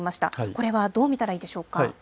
これはどう見たらいいでしょうか。